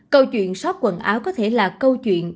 câu chuyện xoát quần áo có thể là câu chuyện